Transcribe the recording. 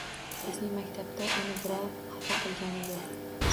Bizning maktabda uni birov xafa qilgani yoʻq.